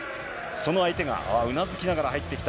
その相手が、ああ、うなずきながら入ってきた。